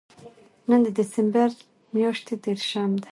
نن د دېسمبر میاشتې درېرشم دی